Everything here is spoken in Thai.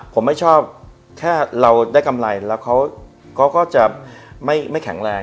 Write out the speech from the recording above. ผมไม่ชอบแค่เราได้กำไรแล้วเขาก็จะไม่แข็งแรง